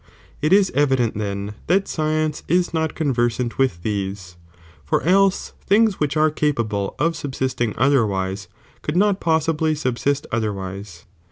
It is evident then that science ia not conversant with these, (for else things wliich are capable of subsisting other wise, could not possibly subsist otherwise).